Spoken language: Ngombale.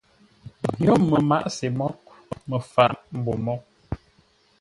Yio məmaʼá-sê moghʼ, Məfaʼ mbô moghʼ.